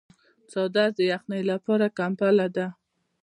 څادر د یخنۍ لپاره کمپله ده.